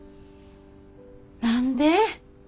何で？